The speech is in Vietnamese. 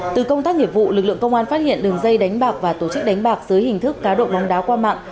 từ công tác nghiệp vụ lực lượng công an phát hiện đường dây đánh bạc và tổ chức đánh bạc dưới hình thức cá độ bóng đá qua mạng